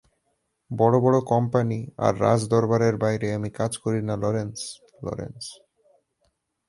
বড় বড় কোম্পানি আর রাজ দরবারের বাইরে আমি কাজ করি না লরেন্স, লরেন্স।